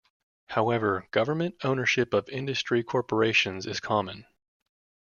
However, government ownership of industry corporations is common.